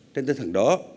trên tên thần đó